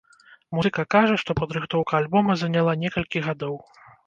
Музыка кажа, што падрыхтоўка альбома заняла некалькі гадоў.